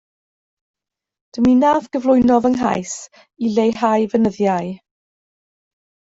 Dymunaf gyflwyno fy nghais i leihau fy nyddiau.